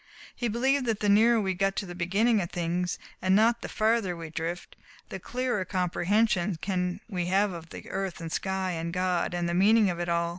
He believed that the nearer we get to the beginning of things, and not the farther we drift, the clearer comprehension can we have of earth and sky and God, and the meaning of it all.